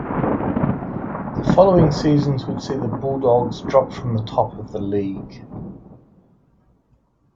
The following seasons would see the Bulldogs drop from the top of the league.